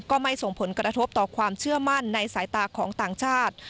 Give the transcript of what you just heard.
ไม่ส่งผลกระทบต่อความเชื่อมั่นในสายตาของต่างชาติ